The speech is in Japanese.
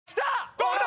どうだ？